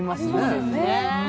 そうですね